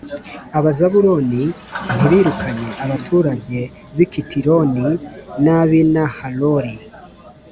Abazabuloni ntibirukanye abaturage b’i Kitironi n’ab’i Nahaloli,